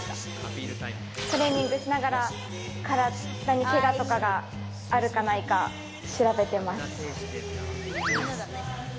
トレーニングしながら、体にけがとかがあるかないか調べてます。